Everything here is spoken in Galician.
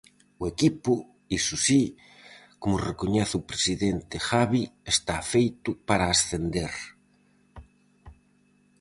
O equipo, iso si, como recoñece o presidente Javi, está feito para ascender.